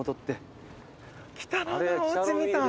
鬼太郎のおうちみたい。